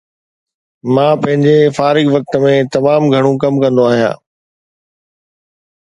مان پنهنجي فارغ وقت ۾ تمام گهڻو ڪم ڪندو آهيان